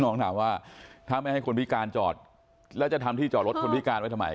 ถามว่าถ้าไม่ให้คนพิการจอดแล้วจะทำที่จอดรถคนพิการไว้ทำไม